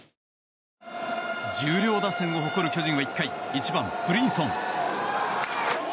重量打線を誇る巨人は１回ブリンソン。